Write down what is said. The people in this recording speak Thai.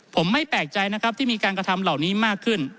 ผมไม่แปลกใจนะครับที่มีการกระทำเหล่านี้มากขึ้น